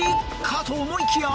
かと思いきや！？